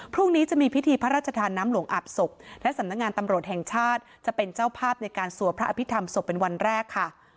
พรุ่งนี้จะมีพิธีพระราชทานน้ำหลวงอาบศพและสำนักงานตำรวจแห่งชาติจะเป็นเจ้าภาพในการสวดพระอภิษฐรรมศพเป็นวันแรกค่ะ